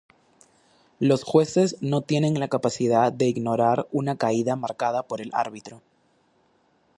Los jueces no tienen la capacidad de ignorar una caída marcada por el árbitro.